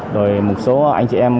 rồi một số anh chị em